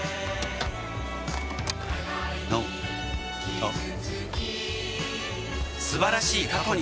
あっ。